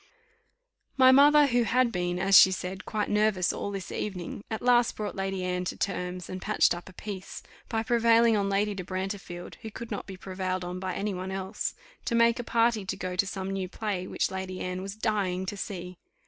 My mother, who had been, as she said, quite nervous all this evening, at last brought Lady Anne to terms, and patched up a peace, by prevailing on Lady de Brantefield, who could not be prevailed on by any one else, to make a party to go to some new play which Lady Anne was dying to see.